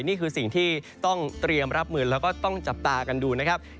นี่คือสิ่งที่ต้องเตรียมรับมือแล้วก็ต้องจับตากันดูนะครับ